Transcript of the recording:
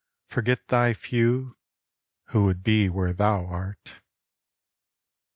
Forget thy few, who would be where thou art.